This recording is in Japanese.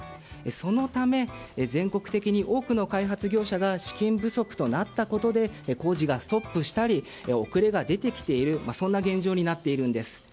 そのため、全国的に多くの開発業者が資金不足となったことで工事がストップしたり遅れが出てきているそんな現状になっているんです。